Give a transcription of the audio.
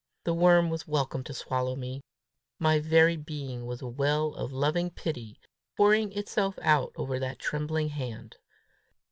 The worm was welcome to swallow me! My very being was a well of loving pity, pouring itself out over that trembling hand.